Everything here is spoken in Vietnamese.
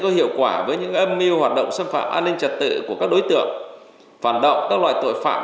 có hiệu quả với những âm mưu hoạt động xâm phạm an ninh trật tự của các đối tượng phản động các loại tội phạm